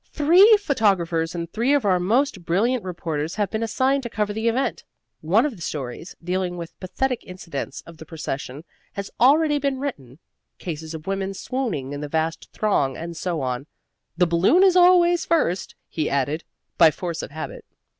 "Three photographers and three of our most brilliant reporters have been assigned to cover the event. One of the stories, dealing with pathetic incidents of the procession, has already been written cases of women swooning in the vast throng, and so on. The Balloon is always first," he added, by force of habit.